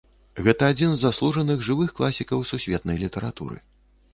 Гэта адзін з заслужаных жывых класікаў сусветнай літаратуры.